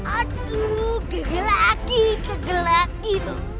aduh gede lagi